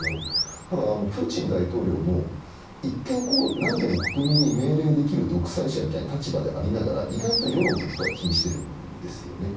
ただプーチン大統領は一見、何でも国民に命令できる独裁者みたいな立場でありながら意外と世論のことは気にしているんですよね。